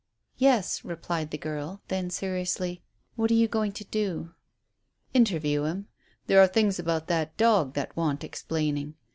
"Yes," replied the girl Then seriously, "What are you going to do?" "Interview him. There are things about that dog that want explaining.